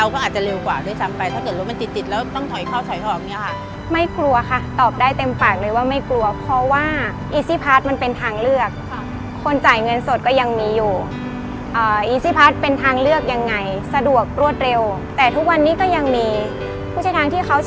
คือเขาสลับปรับเปลี่ยนกัน